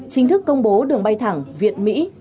chính thức công bố đường bay thẳng việt mỹ